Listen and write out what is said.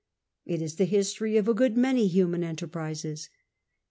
It is the history of a good many human enter prises.